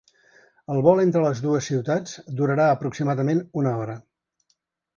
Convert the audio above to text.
El vol entre les dues ciutats durarà aproximadament una hora.